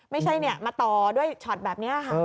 ไม่ใช่มาต่อด้วยช็อตแบบนี้ค่ะ